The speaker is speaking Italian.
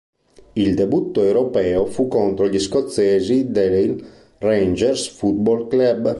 Il debutto europeo fu contro gli scozzesi del Rangers Football Club.